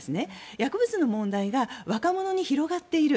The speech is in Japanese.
薬物の問題が若者に広がっている